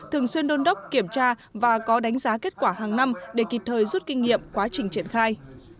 thường xuyên đôn đốc kiểm tra và có đánh giá kết quả hàng năm để kịp thời rút kinh nghiệm quá trình triển khai